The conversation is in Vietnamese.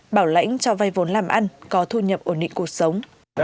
bảo lãnh cho vay vốn làm ăn có thu nhập ổn định cuộc sống